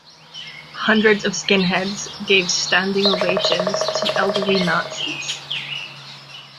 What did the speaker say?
Hundreds of skinheads gave standing ovations to elderly Nazis.